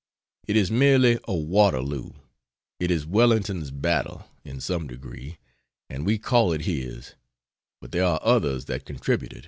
It is merely a Waterloo. It is Wellington's battle, in some degree, and we call it his; but there are others that contributed.